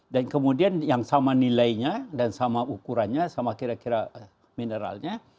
dan kemudian yang sama nilainya dan sama ukurannya sama kira kira mineralnya